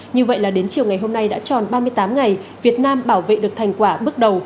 như vậy là đến chiều ngày hôm nay đã tròn ba mươi tám ngày việt nam bảo vệ được thành quả bước đầu